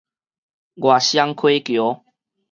外雙溪橋